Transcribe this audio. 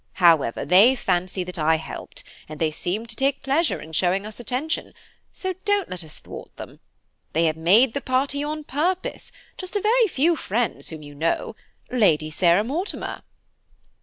However, they fancy I helped, and they seem to take pleasure in showing us attention, so don't let us thwart them. They have made the party on purpose–just a very few friends whom you know–Lady Sarah Mortimer."